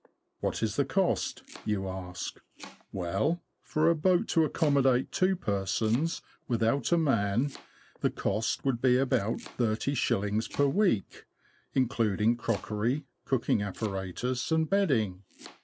"What is the cost?'' you ask. Well, for a boat to accommodate two persons, without a man, the cost would be about 30s. per week, including crockery, cooking apparatus, and bedding.